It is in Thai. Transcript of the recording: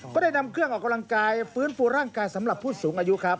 ได้นำเครื่องออกกำลังกายฟื้นฟูร่างกายสำหรับผู้สูงอายุครับ